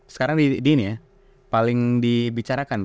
sekarang di ini ya paling dibicarakan